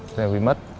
xe này bị mất